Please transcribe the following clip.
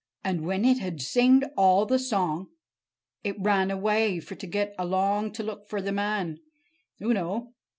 And when it had singed all the song, it ran away—for to get along to look for the man, oo know.